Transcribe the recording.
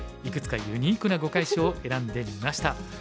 いくつかユニークな碁会所を選んでみました。